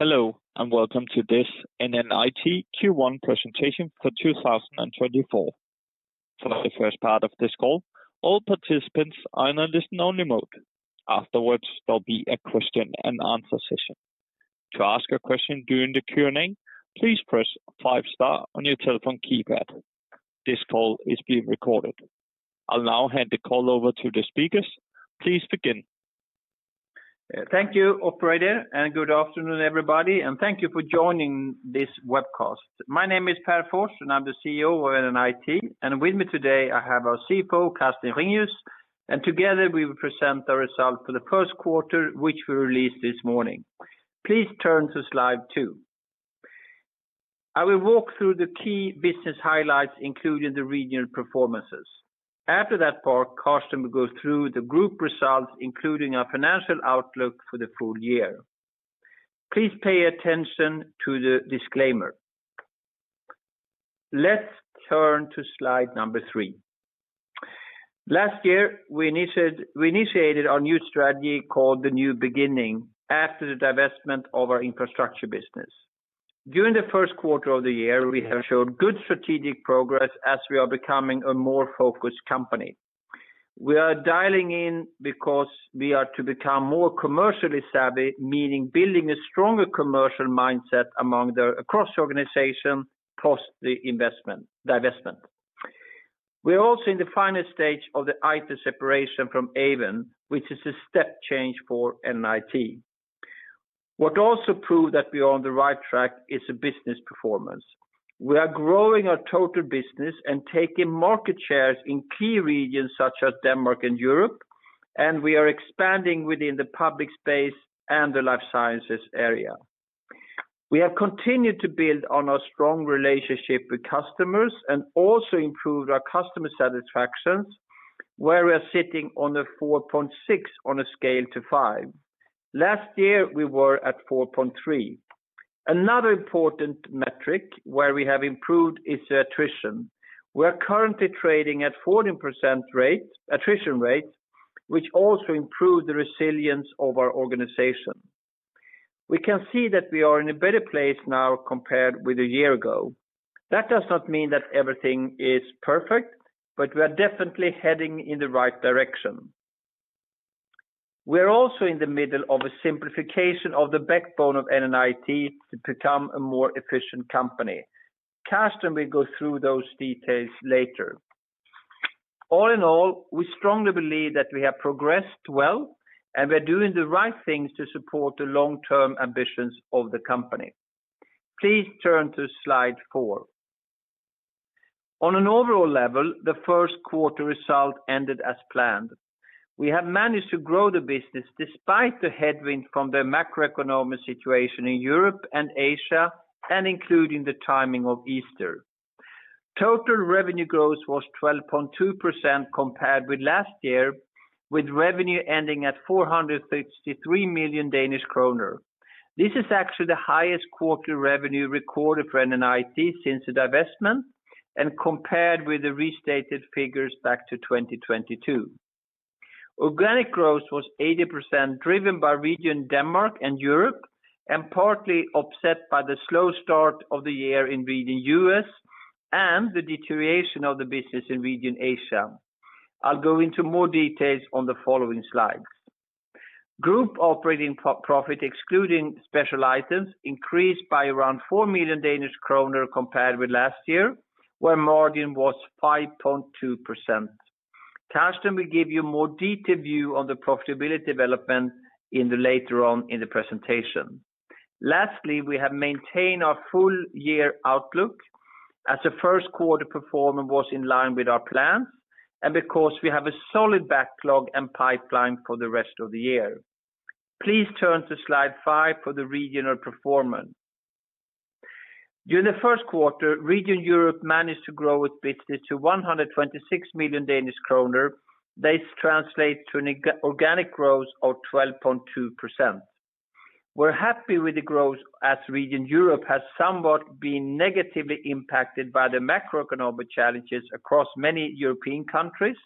Hello and welcome to this NNIT Q1 presentation for 2024. For the first part of this call, all participants are in a listen-only mode. Afterwards, there'll be a question-and-answer session. To ask a question during the Q&A, please five-star on your telephone keypad. This call is being recorded. I'll now hand the call over to the speakers. Please begin. Thank you, Operator, and good afternoon, everybody. Thank you for joining this webcast. My name is Pär Fors, and I'm the CEO of NNIT. With me today, I have our CFO, Carsten Ringius. Together, we will present the results for the first quarter, which we released this morning. Please turn to slide two. I will walk through the key business highlights, including the regional performances. After that part, Carsten will go through the group results, including our financial outlook for the full year. Please pay attention to the disclaimer. Let's turn to slide number three. Last year, we initiated our new strategy called the New Beginning after the divestment of our infrastructure business. During the first quarter of the year, we have showed good strategic progress as we are becoming a more focused company. We are dialing in because we are to become more commercially savvy, meaning building a stronger commercial mindset across the organization post the investment divestment. We are also in the final stage of the entire separation from Aeven, which is a step change for NNIT. What also proves that we are on the right track is the business performance. We are growing our total business and taking market shares in key regions such as Denmark and Europe, and we are expanding within the public space and the Life Sciences area. We have continued to build on our strong relationship with customers and also improved our customer satisfaction, where we are sitting on a 4.6 on a scale to 5. Last year, we were at 4.3. Another important metric where we have improved is attrition. We are currently trading at a 14% attrition rate, which also improved the resilience of our organization. We can see that we are in a better place now compared with a year ago. That does not mean that everything is perfect, but we are definitely heading in the right direction. We are also in the middle of a simplification of the backbone of NNIT to become a more efficient company. Carsten will go through those details later. All in all, we strongly believe that we have progressed well, and we are doing the right things to support the long-term ambitions of the company. Please turn to slide four. On an overall level, the first quarter result ended as planned. We have managed to grow the business despite the headwind from the macroeconomic situation in Europe and Asia, including the timing of Easter. Total revenue growth was 12.2% compared with last year, with revenue ending at 463 million Danish kroner. This is actually the highest quarterly revenue recorded for NNIT since the divestment and compared with the restated figures back to 2022. Organic growth was 80% driven by Region Denmark and Europe, and partly upset by the slow start of the year in Region U.S. and the deterioration of the business in Region Asia. I'll go into more details on the following slides. Group operating profit, excluding special items, increased by around 4 million Danish kroner compared with last year, where margin was 5.2%. Carsten, we give you a more detailed view on the profitability development later on in the presentation. Lastly, we have maintained our full-year outlook as the first quarter performance was in line with our plans and because we have a solid backlog and pipeline for the rest of the year. Please turn to slide five for the regional performance. During the first quarter, Region Europe managed to grow its business to 126 million Danish kroner. This translates to an organic growth of 12.2%. We're happy with the growth as Region Europe has somewhat been negatively impacted by the macroeconomic challenges across many European countries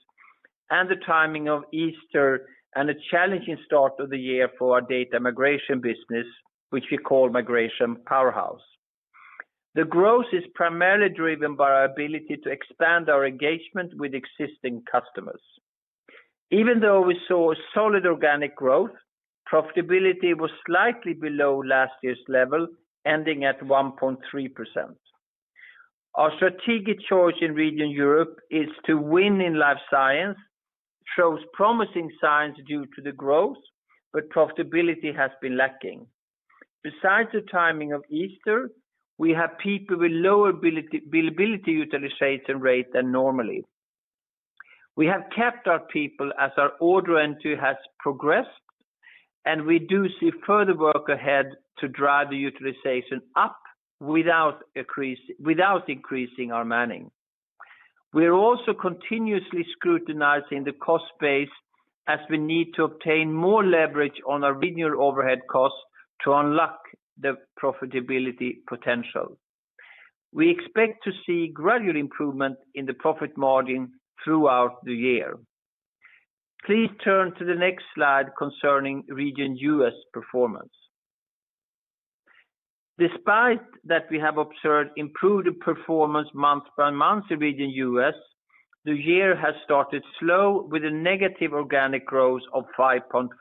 and the timing of Easter and the challenging start of the year for our data migration business, which we call Migration Powerhouse. The growth is primarily driven by our ability to expand our engagement with existing customers. Even though we saw solid organic growth, profitability was slightly below last year's level, ending at 1.3%. Our strategic choice in Region Europe is to win in life science, shows promising signs due to the growth, but profitability has been lacking. Besides the timing of Easter, we have people with lower billability utilization rate than normally. We have kept our people as our order entry has progressed, and we do see further work ahead to drive the utilization up without increasing our manning. We are also continuously scrutinizing the cost base as we need to obtain more leverage on our regional overhead costs to unlock the profitability potential. We expect to see gradual improvement in the profit margin throughout the year. Please turn to the next slide concerning Region U.S. performance. Despite that we have observed improved performance month by month in Region U.S., the year has started slow with a negative organic growth of 5.5%.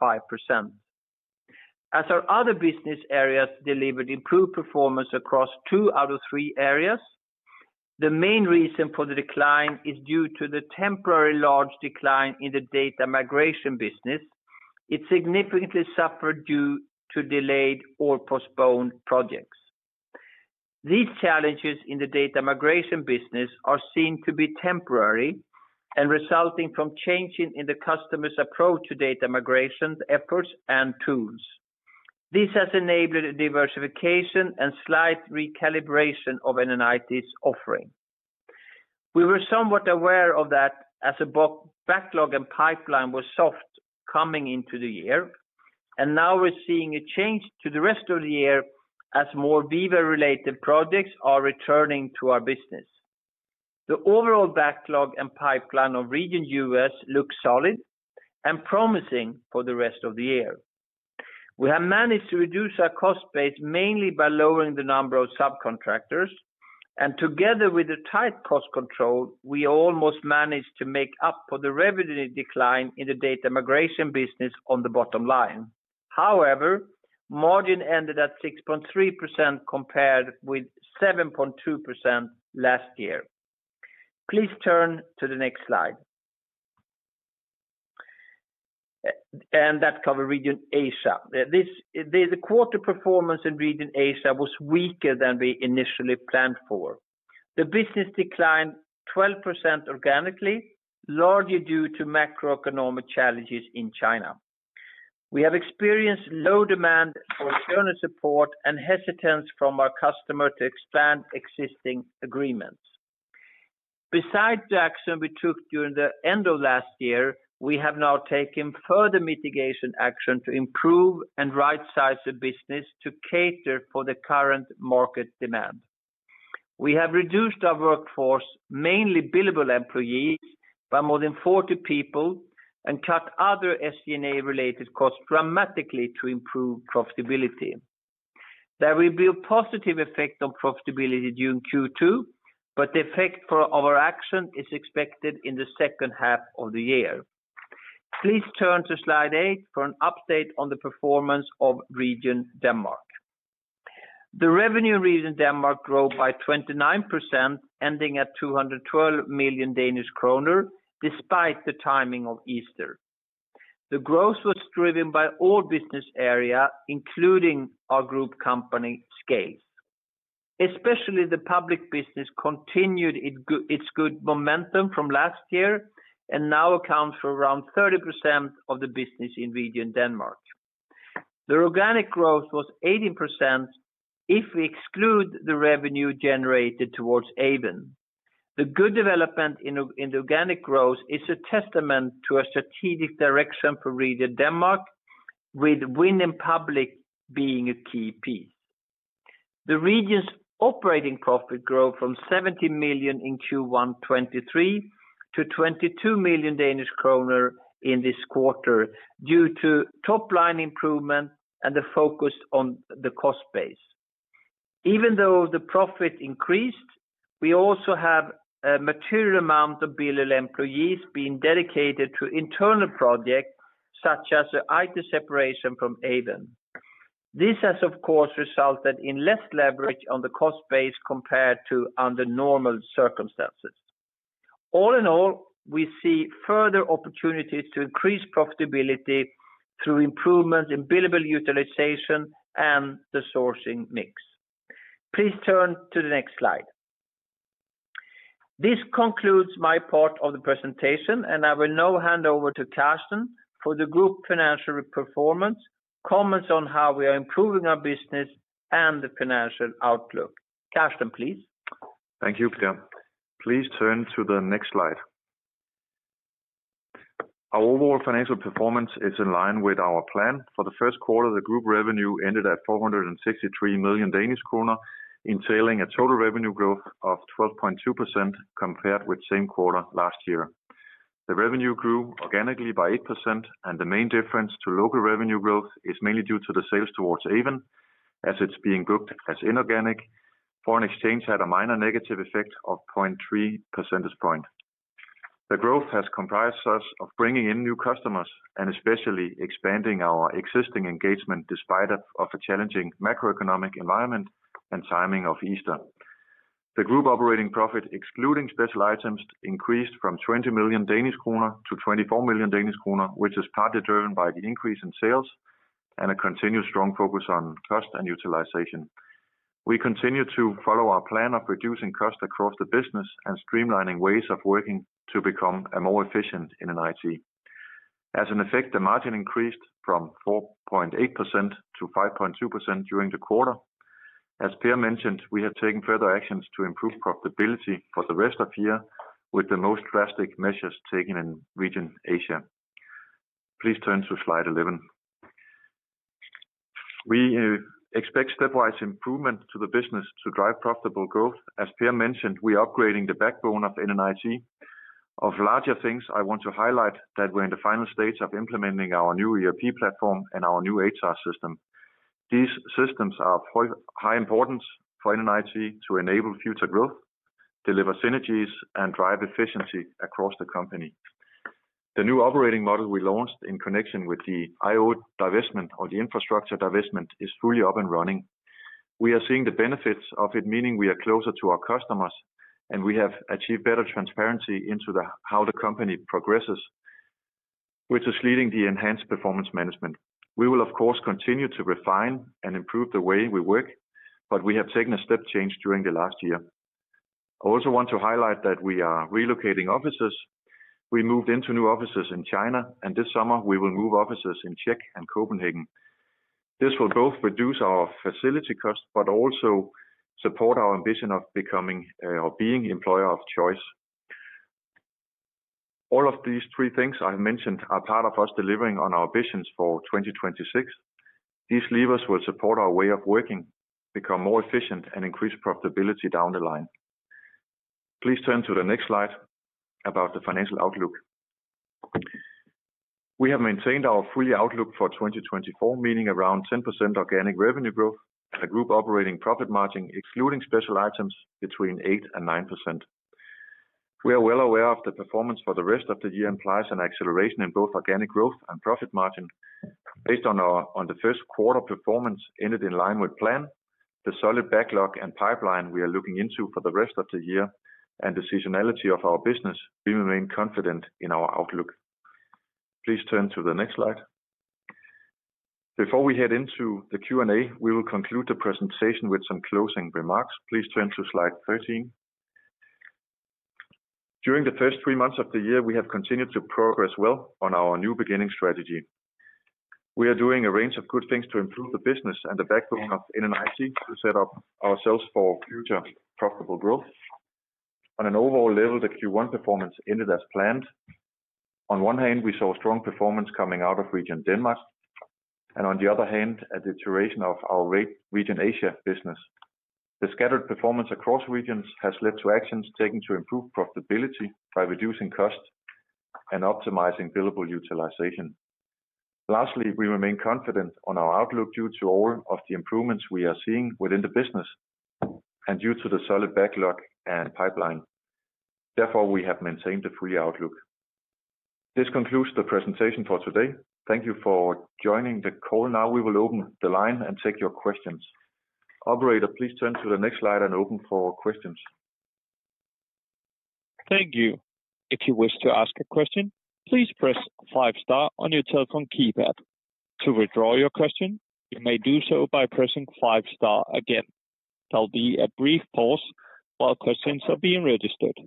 As our other business areas delivered improved performance across two out of three areas, the main reason for the decline is due to the temporary large decline in the data migration business. It significantly suffered due to delayed or postponed projects. These challenges in the data migration business are seen to be temporary and resulting from changing in the customer's approach to data migration efforts and tools. This has enabled diversification and slight recalibration of NNIT's offering. We were somewhat aware of that as a backlog and pipeline were soft coming into the year, and now we're seeing a change to the rest of the year as more Veeva-related projects are returning to our business. The overall backlog and pipeline of Region U.S. look solid and promising for the rest of the year. We have managed to reduce our cost base mainly by lowering the number of subcontractors, and together with the tight cost control, we almost managed to make up for the revenue decline in the data migration business on the bottom line. However, margin ended at 6.3% compared with 7.2% last year. Please turn to the next slide. That covers Region Asia. The quarter performance in Region Asia was weaker than we initially planned for. The business declined 12% organically, largely due to macroeconomic challenges in China. We have experienced low demand for service support and hesitance from our customer to expand existing agreements. Besides the action we took during the end of last year, we have now taken further mitigation action to improve and right-size the business to cater for the current market demand. We have reduced our workforce, mainly billable employees, by more than 40 people and cut other SG&A-related costs dramatically to improve profitability. There will be a positive effect on profitability during Q2, but the effect of our action is expected in the second half of the year. Please turn to slide eight for an update on the performance of Region Denmark. The revenue in Region Denmark grew by 29%, ending at 212 million Danish kroner despite the timing of Easter. The growth was driven by all business areas, including our group company, SCALES. Especially the public business continued its good momentum from last year and now accounts for around 30% of the business in Region Denmark. The organic growth was 18% if we exclude the revenue generated towards Aeven. The good development in the organic growth is a testament to a strategic direction for Region Denmark, with win in public being a key piece. The region's operating profit grew from 70 million in Q1 2023 to 22 million Danish kroner in this quarter due to top-line improvement and the focus on the cost base. Even though the profit increased, we also have a material amount of billable employees being dedicated to internal projects such as the infra separation from Aeven. This has, of course, resulted in less leverage on the cost base compared to under normal circumstances. All in all, we see further opportunities to increase profitability through improvements in billable utilization and the sourcing mix. Please turn to the next slide. This concludes my part of the presentation, and I will now hand over to Carsten for the group financial performance, comments on how we are improving our business and the financial outlook. Carsten, please. Thank you, Pär. Please turn to the next slide. Our overall financial performance is in line with our plan. For the first quarter, the group revenue ended at 463 million Danish kroner, entailing a total revenue growth of 12.2% compared with the same quarter last year. The revenue grew organically by 8%, and the main difference to local revenue growth is mainly due to the sales towards Aeven as it's being booked as inorganic. Foreign exchange had a minor negative effect of 0.3 percentage points. The growth has comprised us of bringing in new customers and especially expanding our existing engagement despite a challenging macroeconomic environment and timing of Easter. The group operating profit, excluding special items, increased from 20 million-24 million Danish kroner, which is partly driven by the increase in sales and a continued strong focus on cost and utilization. We continue to follow our plan of reducing cost across the business and streamlining ways of working to become more efficient in NNIT. As an effect, the margin increased from 4.8%-5.2% during the quarter. As Pär mentioned, we have taken further actions to improve profitability for the rest of the year with the most drastic measures taken in Region Asia. Please turn to slide 11. We expect stepwise improvement to the business to drive profitable growth. As Pär mentioned, we are upgrading the backbone of NNIT. Of larger things, I want to highlight that we're in the final stage of implementing our new ERP platform and our new HR system. These systems are of high importance for NNIT to enable future growth, deliver synergies, and drive efficiency across the company. The new operating model we launched in connection with the Aeven divestment or the infrastructure divestment is fully up and running. We are seeing the benefits of it, meaning we are closer to our customers, and we have achieved better transparency into how the company progresses, which is leading to enhanced performance management. We will, of course, continue to refine and improve the way we work, but we have taken a step change during the last year. I also want to highlight that we are relocating offices. We moved into new offices in China, and this summer, we will move offices in Czech and Copenhagen. This will both reduce our facility costs but also support our ambition of becoming or being an employer of choice. All of these three things I have mentioned are part of us delivering on our visions for 2026. These levers will support our way of working, become more efficient, and increase profitability down the line. Please turn to the next slide about the financial outlook. We have maintained our full-year outlook for 2024, meaning around 10% organic revenue growth and a group operating profit margin, excluding special items, between 8%-9%. We are well aware of the performance for the rest of the year implies an acceleration in both organic growth and profit margin. Based on the first quarter performance ended in line with plan, the solid backlog and pipeline we are looking into for the rest of the year and the seasonality of our business, we remain confident in our outlook. Please turn to the next slide. Before we head into the Q&A, we will conclude the presentation with some closing remarks. Please turn to slide 13. During the first three months of the year, we have continued to progress well on our new beginning strategy. We are doing a range of good things to improve the business and the backbone of NNIT to set up ourselves for future profitable growth. On an overall level, the Q1 performance ended as planned. On one hand, we saw strong performance coming out of Region Denmark, and on the other hand, a deterioration of our Region Asia business. The scattered performance across regions has led to actions taken to improve profitability by reducing costs and optimizing billable utilization. Lastly, we remain confident on our outlook due to all of the improvements we are seeing within the business and due to the solid backlog and pipeline. Therefore, we have maintained a full-year outlook. This concludes the presentation for today. Thank you for joining the call. Now we will open the line and take your questions. Operator, please turn to the next slide and open for questions. Thank you. If you wish to ask a question, please press five-star on your telephone keypad. To withdraw your question, you may do so by pressing five-star again. There will be a brief pause while questions are being registered.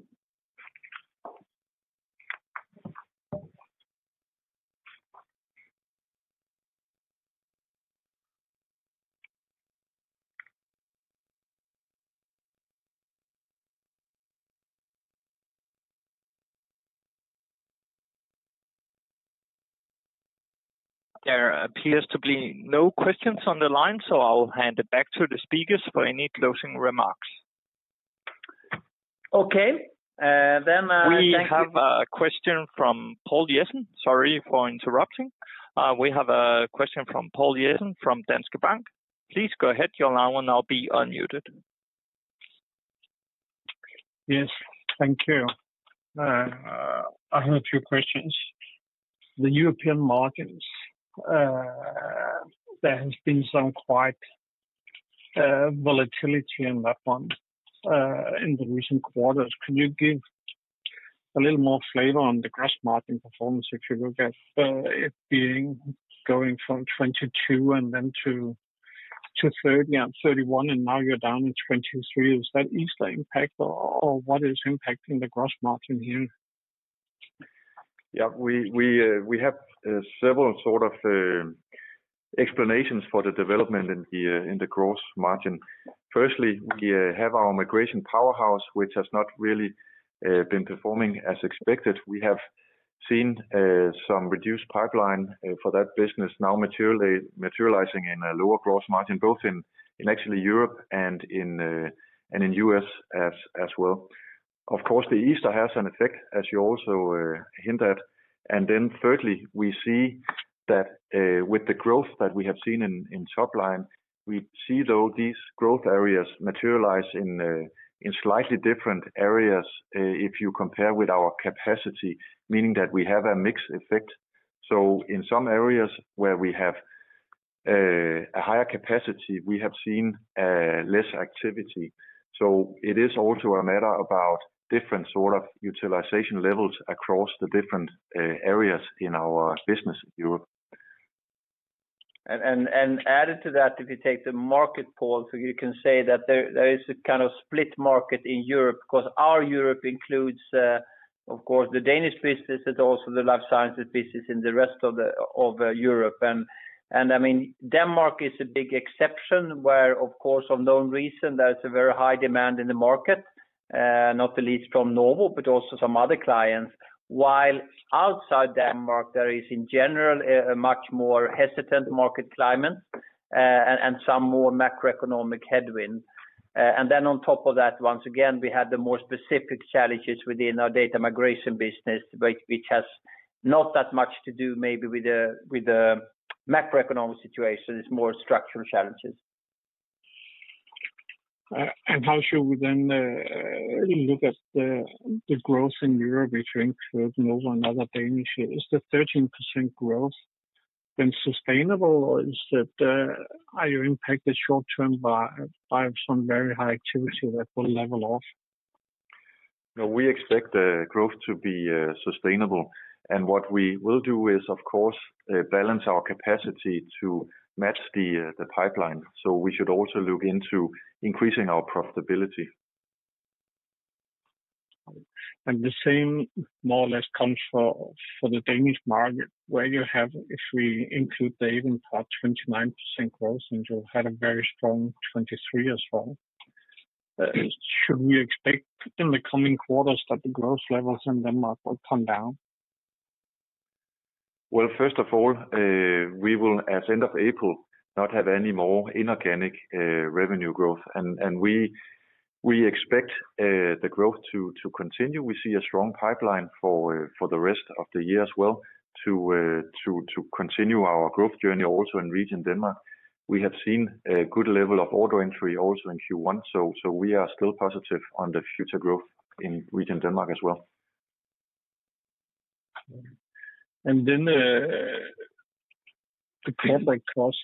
There appears to be no questions on the line, so I will hand it back to the speakers for any closing remarks. Okay. Then thank you. We have a question from Poul Jessen. Sorry for interrupting. We have a question from Poul Jessen from Danske Bank. Please go ahead. Your line will now be unmuted. Yes. Thank you. I have a few questions. The European margins, there has been some quite volatility in that one in the recent quarters. Can you give a little more flavor on the gross margin performance if you look at it going from 22 and then to 30 and 31, and now you're down in 23? Is that easily impacted, or what is impacting the gross margin here? Yeah. We have several sort of explanations for the development in the gross margin. Firstly, we have our Migration Powerhouse, which has not really been performing as expected. We have seen some reduced pipeline for that business now materializing in a lower gross margin, both in, actually, Europe and in the U.S. as well. Of course, the Easter has an effect, as you also hint at. And then thirdly, we see that with the growth that we have seen in top line, we see, though, these growth areas materialize in slightly different areas if you compare with our capacity, meaning that we have a mixed effect. So in some areas where we have a higher capacity, we have seen less activity. So it is also a matter about different sort of utilization levels across the different areas in our business in Europe. And added to that, if you take the market poll, you can say that there is a kind of split market in Europe because our Europe includes, of course, the Danish business and also the Life Sciences business in the rest of Europe. And I mean, Denmark is a big exception where, of course, of no reason, there is a very high demand in the market, not the least from Novo, but also some other clients, while outside Denmark, there is, in general, a much more hesitant market climate and some more macroeconomic headwind. And then on top of that, once again, we had the more specific challenges within our data migration business, which has not that much to do maybe with the macroeconomic situation. It's more structural challenges. How should we then look at the growth in Europe, I think, with Novo and other Danish? Is the 13% growth been sustainable, or are you impacted short-term by some very high activity that will level off? No, we expect the growth to be sustainable. What we will do is, of course, balance our capacity to match the pipeline. We should also look into increasing our profitability. The same more or less comes for the Danish market where you have, if we include the Aeven part, 29% growth, and you had a very strong 23% as well. Should we expect in the coming quarters that the growth levels in Denmark will come down? Well, first of all, we will, at the end of April, not have any more inorganic revenue growth. We expect the growth to continue. We see a strong pipeline for the rest of the year as well to continue our growth journey also in Region Denmark. We have seen a good level of order entry also in Q1, so we are still positive on the future growth in Region Denmark as well. Then the corporate cost,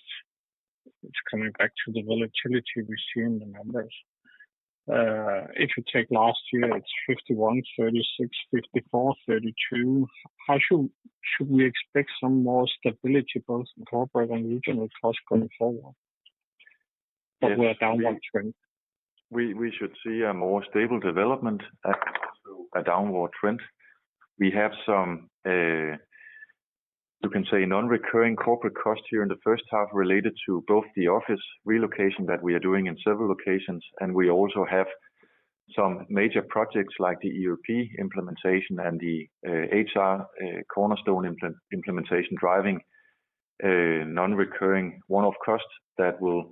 it's coming back to the volatility we see in the numbers. If you take last year, it's 51 million, 36 million, 54 million, 32 million. Should we expect some more stability both in corporate and regional costs going forward, but with a downward trend? We should see a more stable development, a downward trend. We have some, you can say, non-recurring corporate costs here in the first half related to both the office relocation that we are doing in several locations, and we also have some major projects like the ERP implementation and the HR Cornerstone implementation driving non-recurring one-off costs that will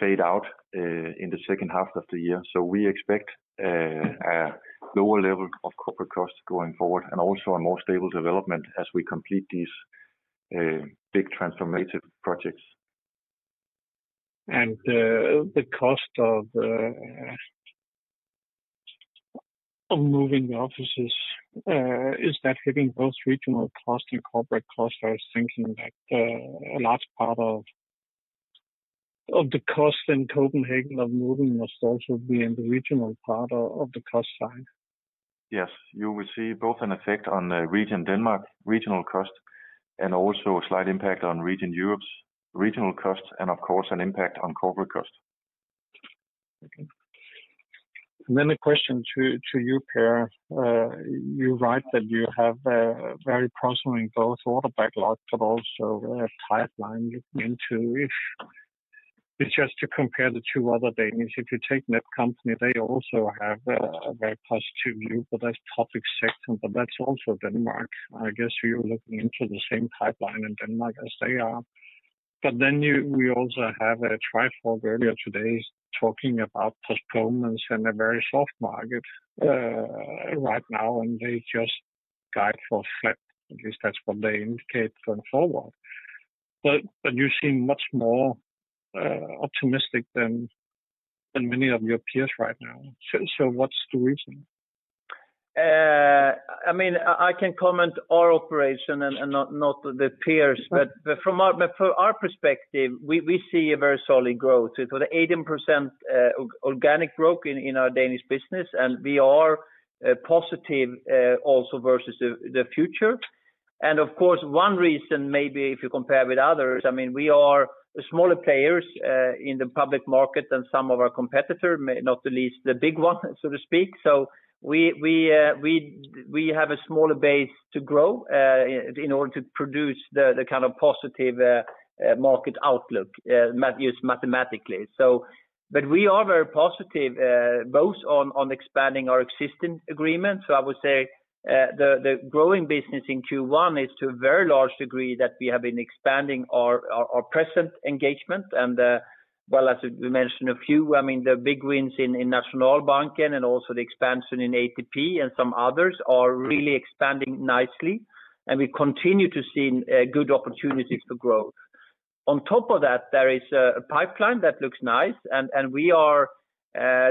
fade out in the second half of the year. So we expect a lower level of corporate costs going forward and also a more stable development as we complete these big transformative projects. The cost of moving offices, is that hitting both regional cost and corporate cost? I was thinking that a large part of the cost in Copenhagen of moving must also be in the regional part of the cost side. Yes. You will see both an effect on Region Denmark, regional cost, and also a slight impact on Region Europe's regional costs and, of course, an impact on corporate costs. Okay. And then a question to you, Pär. You write that you have very promising both order backlog but also a pipeline looking into if it's just to compare the two other Danish. If you take Netcompany, they also have a very positive view, but that's topic section. But that's also Denmark. I guess you're looking into the same pipeline in Denmark as they are. But then we also have a Trifork earlier today talking about postponements and a very soft market right now, and they just guide for flat. At least that's what they indicate going forward. But you seem much more optimistic than many of your peers right now. So what's the reason? I mean, I can comment on our operation and not the peers. But from our perspective, we see a very solid growth. It was 18% organic growth in our Danish business, and we are positive also versus the future. And of course, one reason maybe if you compare with others. I mean, we are smaller players in the public market than some of our competitors, not the least the big one, so to speak. So we have a smaller base to grow in order to produce the kind of positive market outlook used mathematically. But we are very positive both on expanding our existing agreements. So I would say the growing business in Q1 is to a very large degree that we have been expanding our present engagement. Well, as we mentioned a few, I mean, the big wins in Nationalbanken and also the expansion in ATP and some others are really expanding nicely. We continue to see good opportunities for growth. On top of that, there is a pipeline that looks nice. We are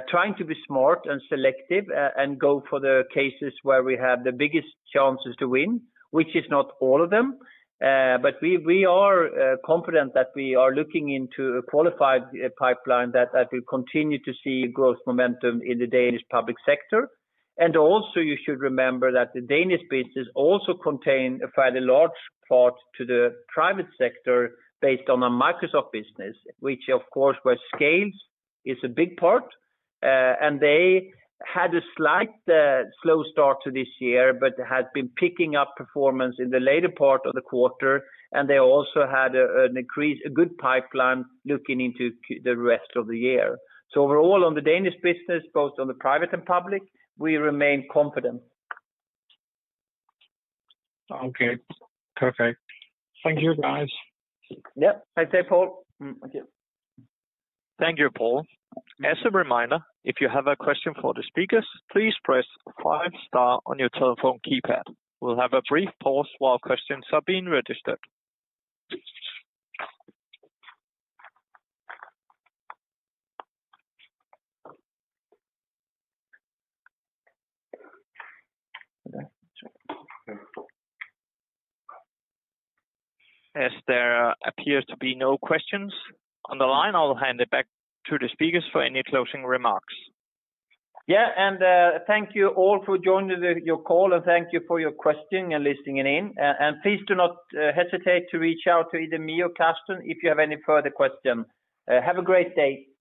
trying to be smart and selective and go for the cases where we have the biggest chances to win, which is not all of them. But we are confident that we are looking into a qualified pipeline that will continue to see growth momentum in the Danish public sector. Also, you should remember that the Danish business also contains a fairly large part to the private sector based on our Microsoft business, which, of course, where SCALES is a big part. They had a slight slow start to this year but had been picking up performance in the later part of the quarter. They also had an increase, a good pipeline looking into the rest of the year. Overall, on the Danish business, both on the private and public, we remain confident. Okay. Perfect. Thank you, guys. Yeah. Thanks, Poul. Thank you. Thank you, Poul. As a reminder, if you have a question for the speakers, please press five-star on your telephone keypad. We'll have a brief pause while questions are being registered. As there appears to be no questions on the line, I will hand it back to the speakers for any closing remarks. Yeah. Thank you all for joining your call, and thank you for your questioning and listening in. Please do not hesitate to reach out to either me or Carsten if you have any further questions. Have a great day.